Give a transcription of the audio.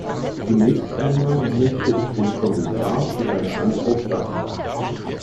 Zunächst einmal möchte ich dem Kommissar für seine Antwort danken.